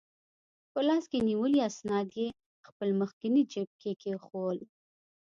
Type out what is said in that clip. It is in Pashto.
په لاس کې نیولي اسناد یې خپل مخکني جیب کې کېښوول.